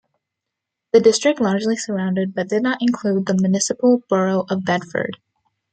The district largely surrounded but did not include the municipal borough of Bedford.